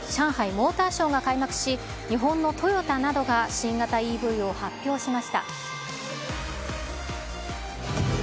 モーターショーが開幕し、日本のトヨタなどが新型ＥＶを発表しました。